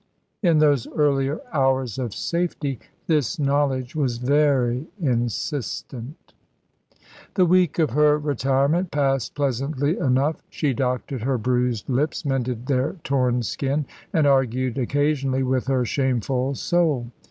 In those earlier hours of safety this knowledge was very insistent. The week of her retirement passed pleasantly enough. She doctored her bruised lips, mended their torn skin, and argued occasionally with her shameful soul.